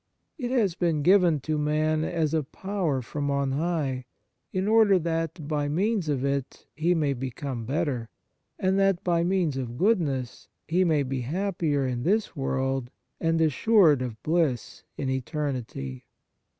It has been given to man as a power from on high, in order that, by means of it, he may become better, and that, by means of goodness, he may be happier in this world and assured of bliss in eternity.